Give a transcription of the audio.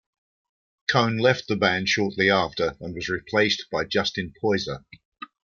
Cone left the band shortly after and was replaced by Justin Poyser.